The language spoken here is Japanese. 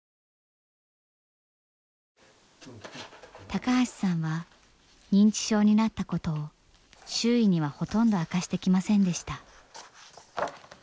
高橋さんは認知症になったことを周囲にはほとんど明かしてきませんでした。